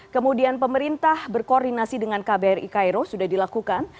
kemudian pemerintah berkoordinasi dengan kbri cairo sudah dilakukan